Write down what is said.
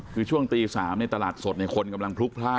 คือช่วงตี๓ตลาดสดคนกำลังพลุกพลาด